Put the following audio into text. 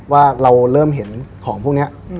ว่าเราเริ่มเห็นของพวกนี้